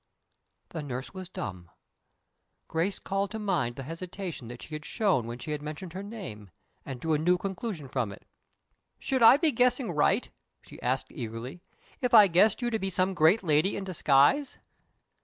The nurse was dumb. Grace called to mind the hesitation that she had shown when she had mentioned her name, and drew a new conclusion from it. "Should I be guessing right," she asked, eagerly, "if I guessed you to be some great lady in disguise?"